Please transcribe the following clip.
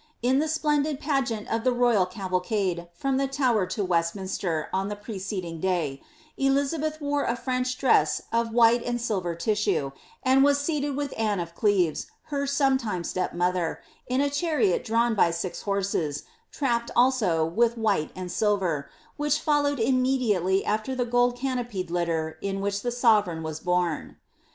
Jn the splendid pageant of the royal cavalcade from the Tower to Westminster, on the preceding day, Elizabeth wore a French dress of white and silver tissue, and was seated with Anne of Cleves, her some time stepmother, in a chariot drawn by six horses, trapped also with white and silver, which followed immediately after the gold cano|Med litter in which the sovereign was borne.